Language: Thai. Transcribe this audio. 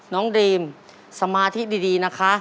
น้องดรีมสมาธิดีนะคะ